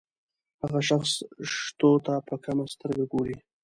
هغه شخص شتو ته په کمه سترګه ګوري.